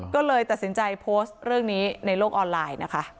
ก็เลยตัดสินใจโพสต์เรื่องนี้ในโลกออนไลน์นะคะ